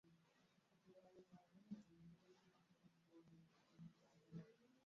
Deathstars Dope Stars ইনকর্পোরেটেডের "Neuromance" অ্যালবামের "ভাইপারপাঙ্ক" গানটি রিমিক্স করে।